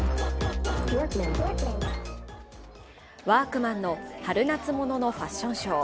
ワークマンの春夏物のファッションショー。